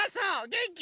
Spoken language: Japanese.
げんき？